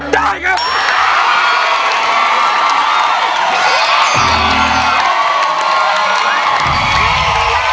ได้ไง